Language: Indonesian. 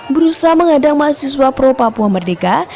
berusaha mengadang mahasiswa pro papua merdeka